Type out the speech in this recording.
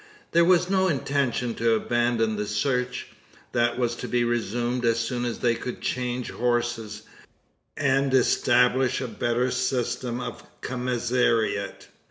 There was no intention to abandon the search. That was to be resumed as soon as they could change horses, and establish a better system of commissariat.